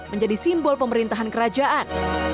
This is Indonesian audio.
menjadi simbol pemerintahan kerajaan